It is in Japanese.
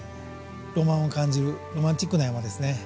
ロマンを感じるロマンチックな山ですね。